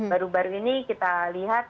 baru baru ini kita lihat